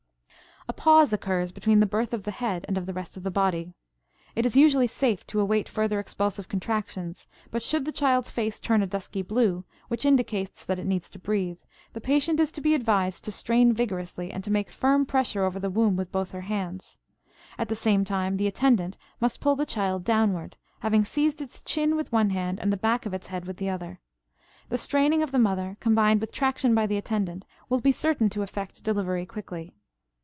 A pause occurs between the birth of the head and of the rest of the body. It is usually safe to await further expulsive contractions, but should the child's face turn a dusky blue, which indicates that it needs to breathe, the patient is to be advised to strain vigorously and to make firm pressure over the womb with both her hands. At the same time the attendant must pull the child downward, having seized its chin with one hand and the back of its head with the other. The straining of the mother combined with traction by the attendant will be certain to effect delivery quickly.